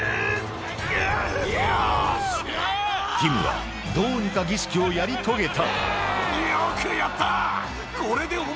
ティムはどうにか儀式をやり遂げた